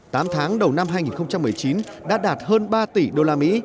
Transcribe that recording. tám tháng đầu năm hai nghìn một mươi chín đã đạt hơn ba tỷ usd